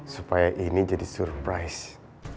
supaya ini jadi surprise